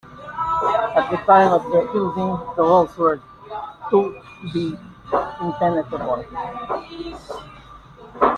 At the time of their building, the walls were thought to be impenetrable.